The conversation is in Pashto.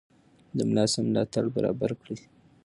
د ملا سم ملاتړ برابر کړئ.